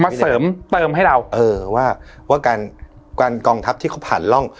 เสริมเติมให้เราเออว่าว่าการการกองทัพที่เขาผ่านร่อง